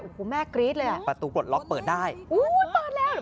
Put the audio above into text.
โอ้โหแม่กรี๊ดเลยอ่ะประตูปลดล็อกเปิดได้อุ้ยเปิดแล้ว